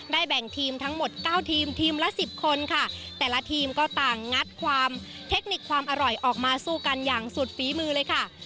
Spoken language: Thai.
แบ่งทีมทั้งหมดเก้าทีมทีมละสิบคนค่ะแต่ละทีมก็ต่างงัดความเทคนิคความอร่อยออกมาสู้กันอย่างสุดฝีมือเลยค่ะ